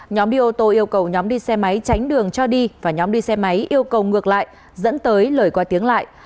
nhóm đi ô tô yêu cầu nhóm đi xe máy tránh đường cho đi và nhóm đi xe máy yêu cầu ngược lại dẫn tới lời qua tiếng lại